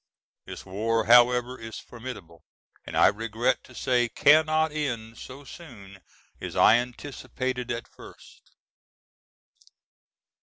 This war however is formidable and I regret to say cannot end so soon as I anticipated at first.